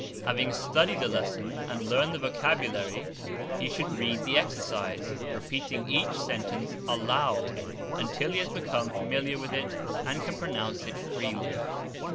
Having studied the lesson and learned the vocabulary, he should read the exercise, repeating each sentence aloud until he has become familiar with it and can pronounce it freely.